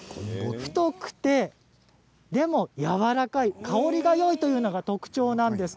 太くて、でも、やわらかい香りがよいというのが特徴なんです。